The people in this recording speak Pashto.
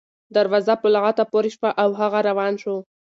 دروازه په لغته پورې شوه او هغه روان شو.